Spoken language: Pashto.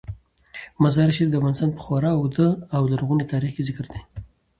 مزارشریف د افغانستان په خورا اوږده او لرغوني تاریخ کې ذکر دی.